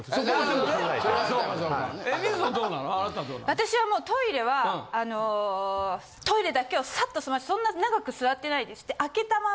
私はもうトイレはあのトイレだけをサッと済ませてそんな長く座ってないです。